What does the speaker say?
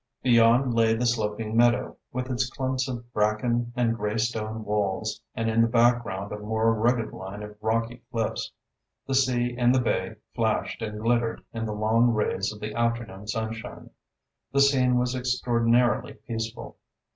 Beyond lay the sloping meadow, with its clumps of bracken and grey stone walls, and in the background a more rugged line of rocky cliffs. The sea in the bay flashed and glittered in the long rays of the afternoon sunshine. The scene was extraordinarily peaceful.